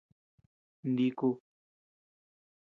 Niku.